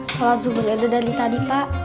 sholat zubur ada dari tadi pak